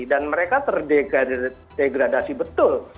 dan mereka terdegradasi betul